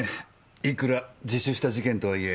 いくら自首した事件とはいえ。